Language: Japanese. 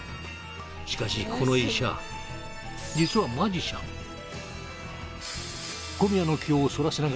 しかしこの医者実はマジシャンえ！？